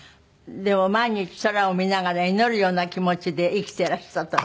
でも毎日空を見ながら祈るような気持ちで生きていらしたと。